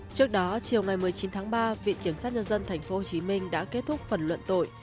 trước đó chiều ngày một mươi chín tháng ba viện kiểm sát nhân dân tp hcm đã kết thúc phần luận tội